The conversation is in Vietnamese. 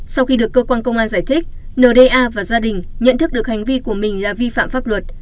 sau khi được cơ quan công an giải thích nda và gia đình nhận thức được hành vi của mình là vi phạm pháp luật